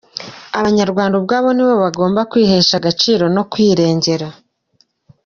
Abanyarwanda ubwabo ni bo bagomba kwihesha agaciro no kwirengera.